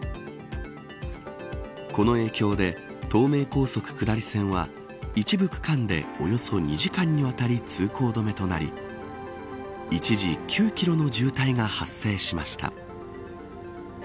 この影響で、東名高速下り線は一部区間でおよそ２時間にわたり通行止めとなり一時９キロの渋滞が発生しました。